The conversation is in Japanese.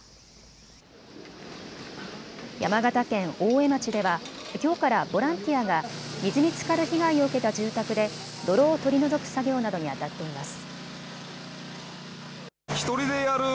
山形県大江町では、きょうからボランティアが水につかる被害を受けた住宅で泥を取り除く作業などにあたっています。